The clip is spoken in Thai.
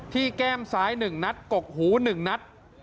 ที่แก้มซ้ายหนึ่งนัดกกหูหนึ่งนัด